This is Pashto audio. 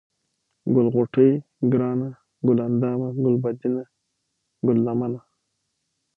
ګل غوټۍ ، گرانه ، گل اندامه ، گلبدنه ، گل لمنه ،